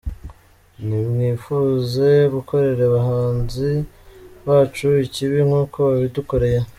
Nti mwifuze gukorera abanzi bacu ikibi nk’uko babidukoreye.